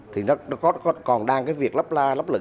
thì còn đang cái việc lấp lẫn